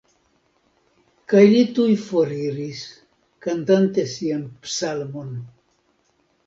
Kaj li tuj foriris, kantante sian psalmon.